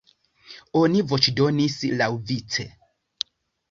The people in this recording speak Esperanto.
Oni voĉdonis laŭvice.